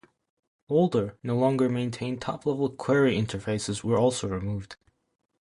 Older, no-longer maintained top-level query interfaces were also removed.